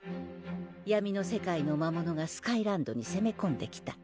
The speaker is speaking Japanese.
「闇の世界の魔物がスカイランドにせめこんできた」